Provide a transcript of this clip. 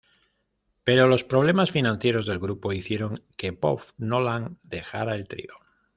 Pero los problemas financieros del grupo hicieron que Bob Nolan dejara el trío.